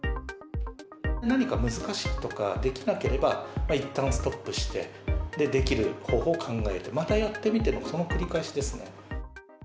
何か難しいとか、できなければ、いったんストップして、できる方法を考えて、またやってみてのその繰り返しですね。